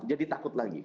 jadi takut lagi